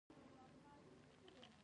ارکائیزم د ژبې د پخواني حالت نخښه ده.